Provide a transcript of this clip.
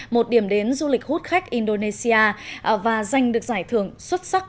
một điểm đến du lịch hút khách indonesia và giành được giải thưởng xuất sắc